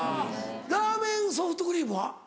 ラーメンソフトクリームは？